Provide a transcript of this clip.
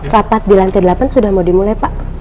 rapat di lantai delapan sudah mau dimulai pak